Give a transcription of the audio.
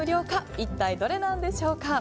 一体どれなんでしょうか。